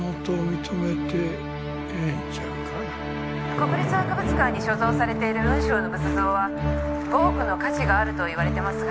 「国立博物館に所蔵されている雲尚の仏像は５億の価値があると言われてますが」